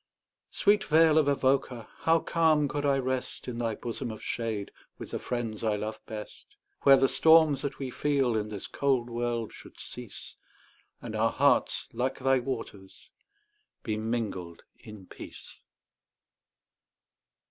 Sweet vale of Avoca! how calm could I rest In thy bosom of shade, with the friends I love best, Where the storms that we feel in this cold world should cease, And our hearts, like thy waters, be mingled in peace.